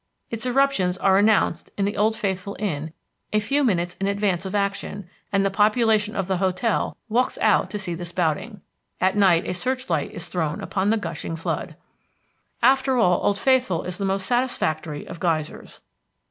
Its eruptions are announced in the Old Faithful Inn a few minutes in advance of action and the population of the hotel walks out to see the spouting. At night a searchlight is thrown upon the gushing flood. After all, Old Faithful is the most satisfactory of geysers.